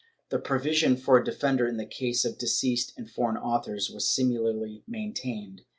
The provision for a defender in the cases of deceased and foreign authors was similarly maintained.